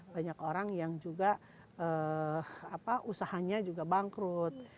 banyak orang yang juga usahanya juga bangkrut